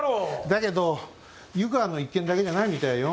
だけど湯川の一件だけじゃないみたいよ。